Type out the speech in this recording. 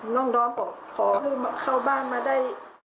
น้องบอกขอให้เข้าบ้านมาได้